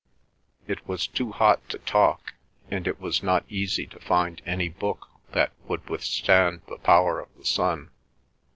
It was too hot to talk, and it was not easy to find any book that would withstand the power of the sun.